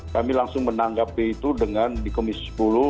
kami langsung menanggapi itu dengan di komisi sepuluh